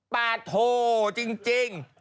ปาโถ่จริง